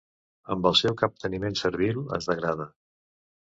Amb el seu capteniment servil es degrada.